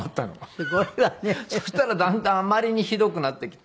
そしたらだんだんあまりにひどくなってきて。